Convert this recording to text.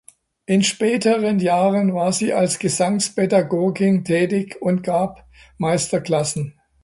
In späteren Jahren war sie als Gesangspädagogin tätig und gab Meisterklassen.